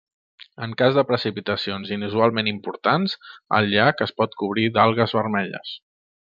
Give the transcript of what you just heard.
En cas de precipitacions inusualment importants, el llac es pot cobrir d'algues vermelles.